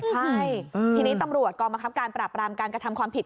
ใช่ทีนี้ตำรวจกองบังคับการปราบรามการกระทำความผิด